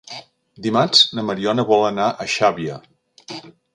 Dimarts na Mariona vol anar a Xàbia.